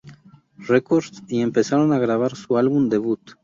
Records y empezaron a grabar su álbum debut.